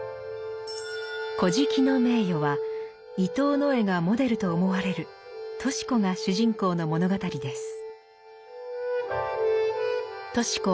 「乞食の名誉」は伊藤野枝がモデルと思われるとし子が主人公の物語です。